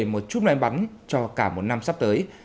một chút loài bắn cho cả một năm sắp tới